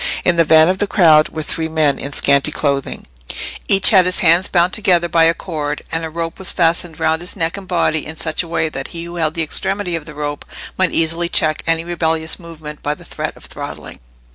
In the van of the crowd were three men in scanty clothing; each had his hands bound together by a cord, and a rope was fastened round his neck and body, in such a way that he who held the extremity of the rope might easily check any rebellious movement by the threat of throttling.